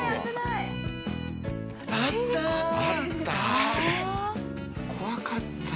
あった！